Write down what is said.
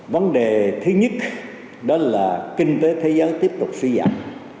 vấn đề thứ nhất đó là kinh tế thế giới tiếp tục suy giảm